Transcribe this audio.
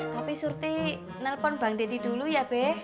tapi surti nelpon bang deddy dulu ya be